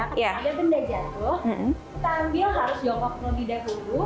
ada benda jatuh kita ambil harus jokokkan di darur